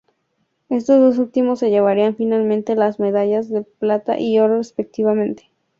Estos dos últimos se llevarían finalmente las medallas de plata y oro respectivamente.